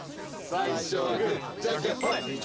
最初はグーじゃんけんぽい。